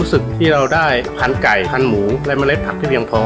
รู้สึกที่เราได้พันไก่พันหมูและเมล็ดผักที่เพียงพอ